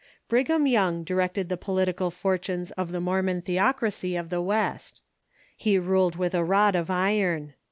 Brighani Young directed the political fortunes of the Mor mon theocracy of the West. He ruled with a rod of iron.